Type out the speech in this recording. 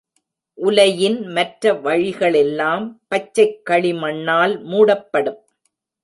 உலையின் மற்ற வழிகளெல்லாம் பச்சைக் களிமண்ணால் மூடப்படும்.